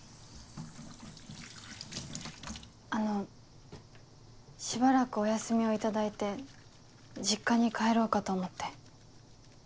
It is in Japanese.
あのしばらくお休みを頂いて実家に帰ろうかと思って。